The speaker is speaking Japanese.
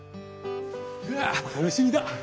うわ楽しみだ！